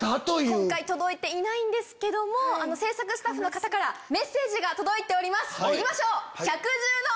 今回届いていないんですけども制作スタッフの方からメッセージが届いております。